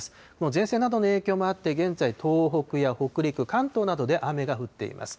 前線などの影響もあって、現在、東北や北陸、関東などで雨が降っています。